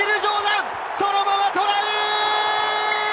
そのままトライ！